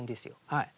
はい